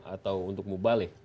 atau untuk mubalik